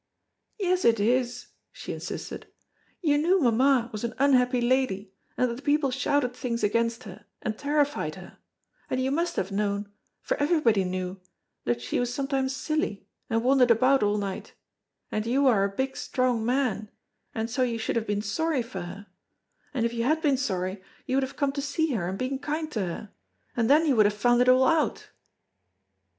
"Yes, it is," she insisted, "you knew mamma was an unhappy lady, and that the people shouted things against her and terrified her; and you must have known, for everybody knew, that she was sometimes silly and wandered about all night, and you are a big strong man, and so you should have been sorry for her; and if you had been sorry you would have come to see her and been kind to her, and then you would have found it all out."